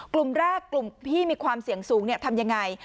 กลุ่มแรกกลุ่มที่มีความเสี่ยงสูงทำยังไง